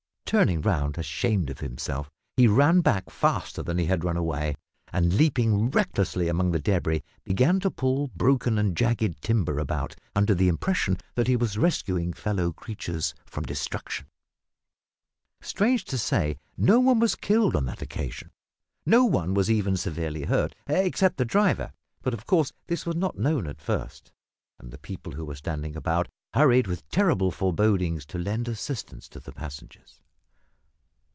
Turning round, ashamed of himself, he ran back faster than he had run away, and leaping recklessly among the debris, began to pull broken and jagged timber about, under the impression that he was rescuing fellow creatures from destruction! Strange to say no one was killed on that occasion no one was even severely hurt, except the driver. But of course this was not known at first and the people who were standing about hurried, with terrible forebodings, to lend assistance to the passengers.